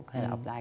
hay là offline